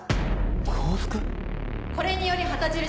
これにより旗印